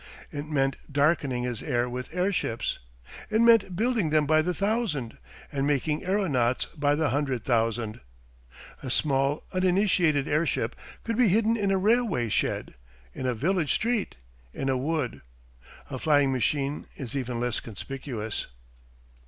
It meant darkening his air with airships. It meant building them by the thousand and making aeronauts by the hundred thousand. A small uninitated airship could be hidden in a railway shed, in a village street, in a wood; a flying machine is even less conspicuous.